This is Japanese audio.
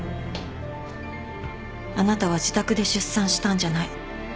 あなたは自宅で出産したんじゃない。